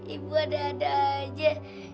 ibu ada ada aja